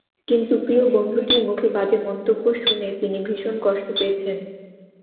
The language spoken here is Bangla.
কিন্তু প্রিয় বন্ধুটির মুখে বাজে মন্তব্য শুনে তিনি ভীষণ কষ্ট পেয়েছেন।